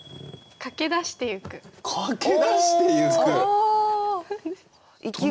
「駆けだしてゆく」！？